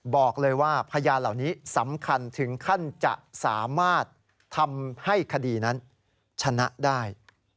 บอกเลยว่าพยานเหล่านี้สำคัญถึงขั้นจะสามารถทำให้คดีนั้นชนะได้